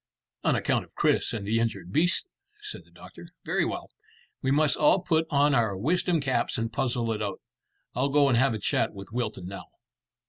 "On account of Chris and the injured beasts," said the doctor. "Very well; we must all put on our wisdom caps and puzzle it out. I'll go and have a chat with Wilton now."